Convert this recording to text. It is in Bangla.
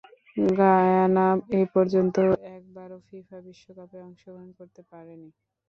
গায়ানা এপর্যন্ত একবারও ফিফা বিশ্বকাপে অংশগ্রহণ করতে পারেনি।